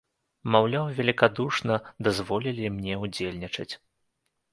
Маўляў, велікадушна дазволілі мне ўдзельнічаць.